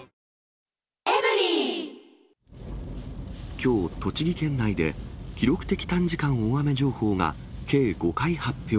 きょう、栃木県内で記録的短時間大雨情報が、計５回発表。